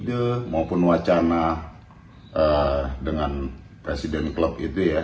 ide maupun wacana dengan presiden klub itu ya